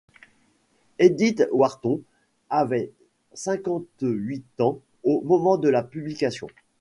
Edith Wharton avait cinquante-huit ans au moment de la publication.